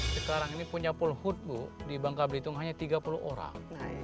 sekarang ini punya polhut bu di bangka belitung hanya tiga puluh orang